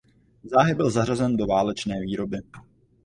Záhy byl zařazen do válečné výroby.